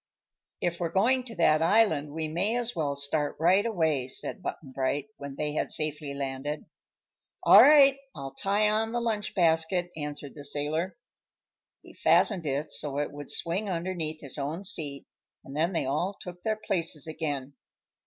"If we're going to that island we may as well start right away," said Button Bright, when they had safely landed. "All right; I'll tie on the lunch basket," answered the sailor. He fastened it so it would swing underneath his own seat and then they all took their places again.